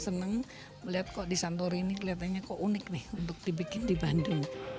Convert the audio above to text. senang melihat kok di santori ini kelihatannya kok unik nih untuk dibikin di bandung